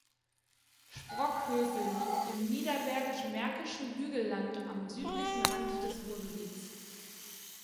Sprockhövel liegt im Niederbergisch-Märkischen Hügelland am südlichen Rand des Ruhrgebiets.